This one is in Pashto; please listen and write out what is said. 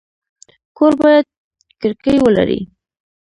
کور باید کړکۍ ولري